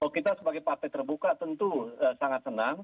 kita sebagai partai terbuka tentu sangat senang